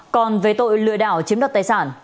còn về tội lừa đảo chiếm đặt tài sản